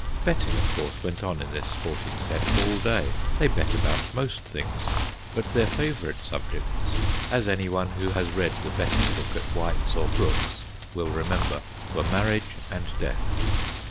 Betting, of course, went on in this sport ing set all day. They bet about most things, but their favourite subjects, as any one who has read the Betting Book at White's or Brooks's will remember, were marriage and death.